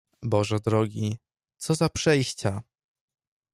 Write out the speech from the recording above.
"Boże drogi, co za przejścia!"